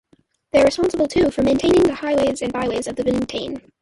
They are responsible to for maintaining the highways and byways of the Vingtaine.